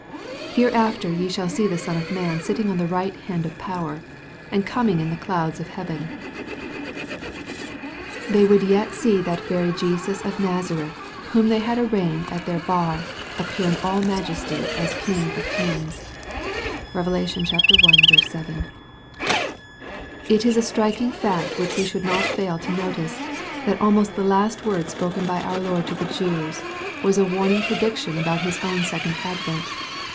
" Hereafter ye shall see the Son of Man sitting on the right hand of power, and coming in the clouds of fieayei^/' They would yet see that very Jesus of Naza « f eth, whQm tljey had arraigned at their bar. Appear in rU majesty as Kp:fg of kings. "^ (Kev. i. 7.) f Jt i^ a jstriking fact wl^icl^ we should not fail to no V fcip®i th^t aliiao§t tl^e lapt wor4 spofeen b^ our Lord to MATTHEW, CHAP. XXVI. 8TS the Jews, was a warning prediction about His own second advent.